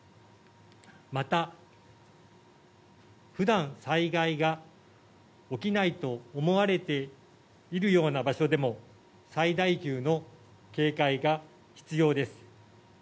また普段、災害が起きないと思われているような場所でも最大級の警戒が必要です。